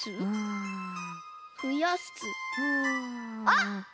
あっ！